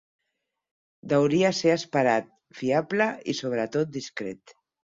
Deuria ser esperat, fiable i, sobretot, discret.